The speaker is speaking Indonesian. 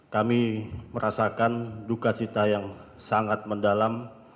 kami merasakan duka cita yang sangat mendalam